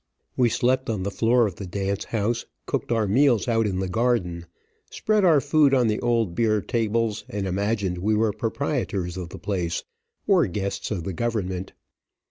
We slept on the floor of the dance house, cooked our meals out in the garden, spread our food on the old beer tables, and imagined we were proprietors of the place, or guests of the government.